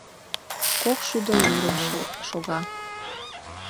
Кокшӱдылурым шога.